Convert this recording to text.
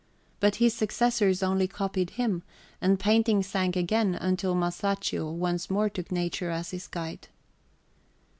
But his successors only copied him, and painting sank again until Masaccio once more took nature as his guide.